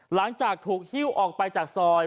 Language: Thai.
หลังจากถูกหิ้วออกไปจากซอย